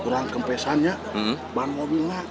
berang kempesannya ban mobilnya